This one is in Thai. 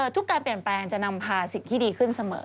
ทุกการเปลี่ยนแปลงจะนำพาสิ่งที่ดีขึ้นเสมอ